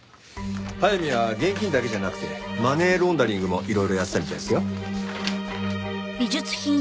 速水は現金だけじゃなくてマネーロンダリングもいろいろやってたみたいですよ。